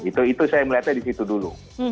itu saya melihatnya disitu dulu